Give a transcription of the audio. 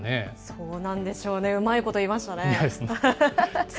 そうなんでしょうね、うまいこと言いましたね。